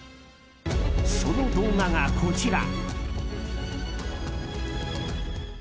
その動画がこちら。